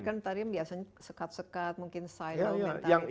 kan tadi biasanya sekat sekat mungkin silo mental